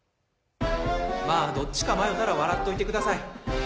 まぁどっちか迷たら笑っといてください。